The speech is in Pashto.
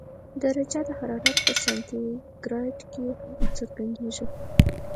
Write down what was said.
درجه حرارت په سانتي ګراد سره څرګندېږي.